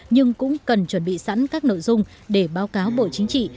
nhưng cũng cần chuẩn bị sẵn các nội dung để báo cáo bộ chính trị